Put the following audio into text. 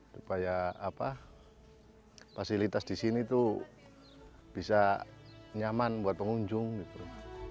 supaya fasilitas di sini tuh bisa nyaman buat pengunjung gitu